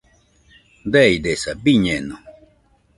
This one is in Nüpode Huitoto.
Deidesaa, biñeno